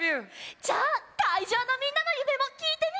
じゃあかいじょうのみんなのゆめもきいてみようよ！